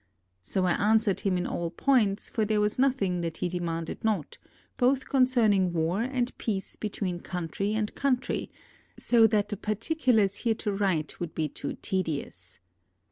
So I answered him in all points, for there was nothing that he demanded not, both concerning war and peace between country and country; so that the particulars here to write would be too tedious.